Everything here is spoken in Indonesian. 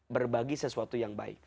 berbagi sesuatu yang baik